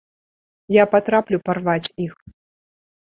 Я патраплю парваць іх.